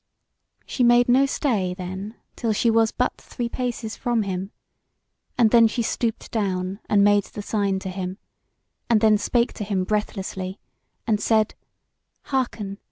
She made no stay then till she was but three paces from him, and then she stooped down and made the sign to him, and then spake to him breathlessly, and said: "Hearken!